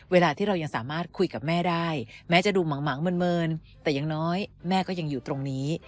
เวลาที่เรายังสามารถคุยกับแม่ได้แม้จะดูหมังเมินแต่อย่างน้อยแม่ก็ยังอยู่ตรงนี้